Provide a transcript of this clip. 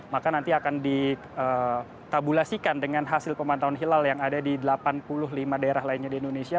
maka nanti akan ditabulasikan dengan hasil pemantauan hilal yang ada di delapan puluh lima daerah lainnya di indonesia